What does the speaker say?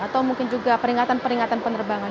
atau mungkin juga peringatan peringatan penerbangan